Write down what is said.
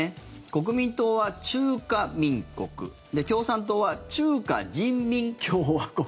国民党は中華民国共産党は中華人民共和国。